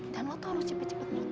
dan lo tuh harus cepet cepet nikah